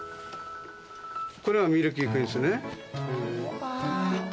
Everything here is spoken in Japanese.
これはミルキークイーンですね。